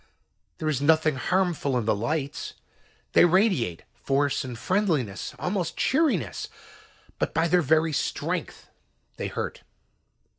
There is nothing harmful in the lights. They radiate force and friendliness, almost cheeriness. But by their very strength, they hurt.